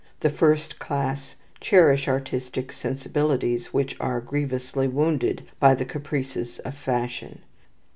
The first class cherish artistic sensibilities which are grievously wounded by the caprices of fashion.